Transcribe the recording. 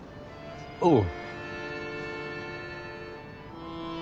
おう。